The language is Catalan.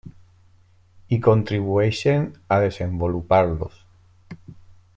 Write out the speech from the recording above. I contribueixen a desenvolupar-los.